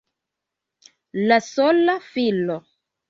La sola filo!